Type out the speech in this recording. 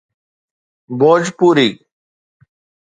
Bhojpuri